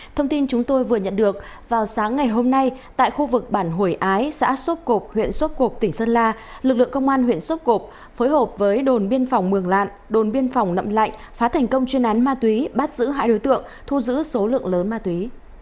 thông tin chúng tôi vừa nhận được vào sáng ngày hôm nay tại khu vực bản hủy ái xã sốp cộp huyện sốp cộp tỉnh sơn la lực lượng công an huyện sốp cộp phối hợp với đồn biên phòng mường lạn đồn biên phòng nậm lạnh phá thành công chuyên án ma túy bắt giữ hai đối tượng thu giữ số lượng lớn ma túy